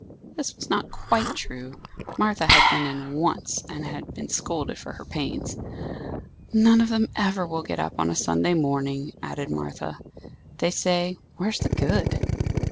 This was not quite true. Martha had been in once, and had been scolded for her pains. "None of them ever will get up on a Sunday morning," added Martha; "they say, 'where's the good?